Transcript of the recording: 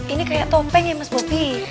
ini kayak topeng ya mas bopi